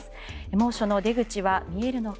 猛暑の出口は見えるのか。